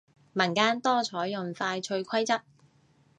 民間多採用快脆規則